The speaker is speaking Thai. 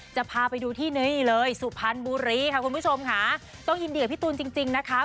จะพาไปดูที่นี่เลยสุพรรณบุรีค่ะคุณผู้ชมค่ะต้องอินเดียกับพี่ตูนจริงจริงนะคะ